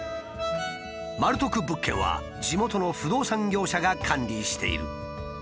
マル得物件は地元の不動産業者が管理している。